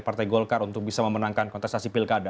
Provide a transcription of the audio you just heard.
partai golkar untuk bisa memenangkan kontestasi pilkada